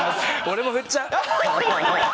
俺も振っちゃう！